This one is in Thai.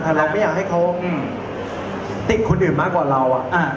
แต่เราไม่อยากให้เขาติดคนอื่นมากกว่าเรา